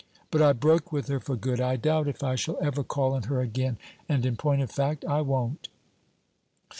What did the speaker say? But I broke with her for good. I doubt if I shall ever call on her again. And in point of fact, I won't.'